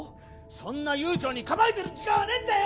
そんな悠長に構えてる時間はねえんだよ！